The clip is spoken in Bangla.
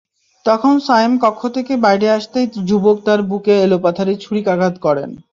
তখন সায়েম কক্ষ থেকে বাইরে আসতেই যুবক তাঁর বুকে এলোপাতাড়ি ছুরিকাঘাত করেন।